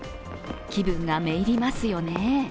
気分が滅入りますよね。